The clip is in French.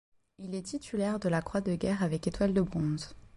Il est titulaire de la Croix de guerre avec étoile de bronze.